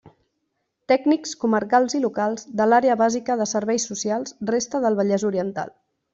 Tècnics comarcals i locals de l'Àrea Bàsica de Serveis Socials resta del Vallès Oriental.